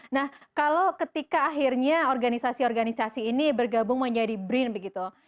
nah kalau ketika akhirnya organisasi organisasi ini bergabung menjadi brin begitu